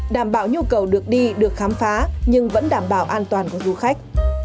đảm bảo nhu cầu được đi được khám phá nhưng vẫn đảm bảo an toàn của du khách